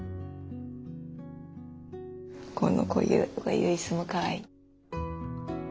このこういう椅子もかわいい。